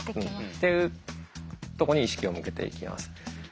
っていうとこに意識を向けていきます。